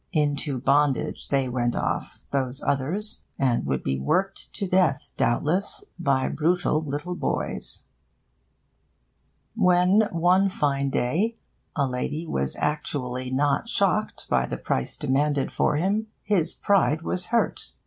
Into bondage they went off, those others, and would be worked to death, doubtless, by brutal little boys. When, one fine day, a lady was actually not shocked by the price demanded for him, his pride was hurt.